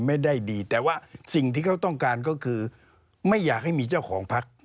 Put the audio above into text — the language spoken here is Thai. ไม่ได้ดีแต่ว่าสิ่งที่เขาต้องการก็คือไม่อยากให้มีเจ้าของพัก